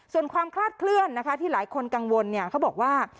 ส่วนความคลาดเคลื่อนนะคะที่หลายคนกังวลเขาบอกว่า